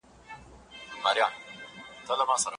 ډاکټر وویل چې د غره هوا د روغتیا لپاره ښه ده.